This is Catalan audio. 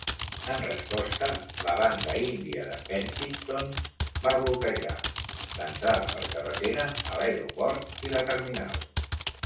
En resposta, la Banda Índia de Penticton va bloquejar l'entrada per carretera a l'aeroport i la terminal.